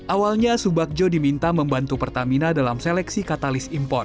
awalnya subakjo diminta membantu pertamina dalam seleksi katalis impor